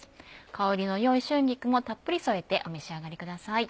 香りのよい春菊もたっぷり添えてお召し上がりください。